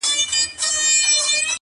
یا به مري یا به یې بل څوک وي وژلی،